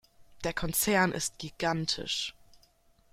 Der Konzern ist gigantisch.